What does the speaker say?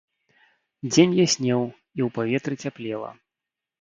Дзень яснеў, і ў паветры цяплела.